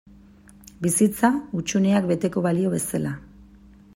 Bizitza, hutsuneak beteko balio bezala.